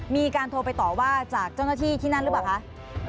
มีการโทรไปต่อว่าจากเจ้าหน้าที่ที่นั่นหรือเปล่าคะ